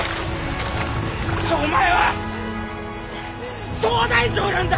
お前は総大将なんだ！